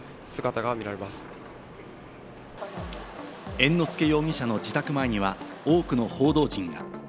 猿之助容疑者の自宅前には多くの報道陣が。